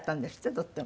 とっても。